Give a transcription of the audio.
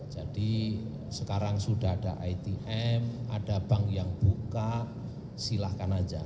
jadi sekarang sudah ada itm ada bank yang buka silakan saja